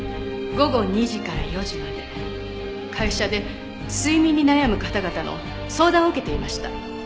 午後２時から４時まで会社で睡眠に悩む方々の相談を受けていました。